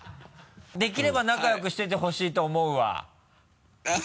できれば仲良くしててほしいと思うわ。